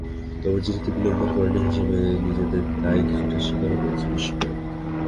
তবে চিঠিতে বিলম্বের কারণ হিসেবে নিজেদের দায় কিছুটা স্বীকারও করেছে বিশ্বব্যাংক।